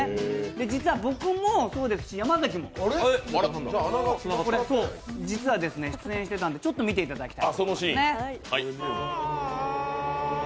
実は僕もそうですし、山崎も実は出演していたんでちょっと見ていただきたい。